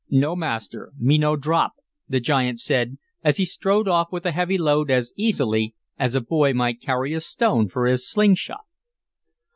"No, Master, me no drop," the giant said, as he strode off with the heavy load as easily as a boy might carry a stone for his sling shot.